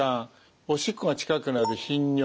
おしっこが近くなる頻尿。